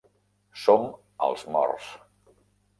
Som els Morts.